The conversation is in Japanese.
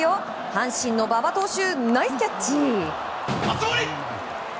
阪神の馬場投手ナイスキャッチ。